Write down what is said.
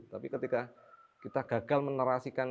tapi ketika kita gagal menerasikan